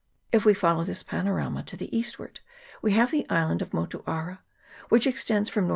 If we follow this panorama to the eastward we have the island of Motuara, which extends from N.E.